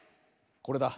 これだ。